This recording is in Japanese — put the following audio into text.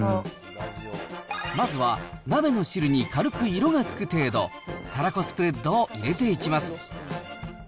まずは鍋の汁に軽く色がつく程度、たらこスプレッドを入れていきます。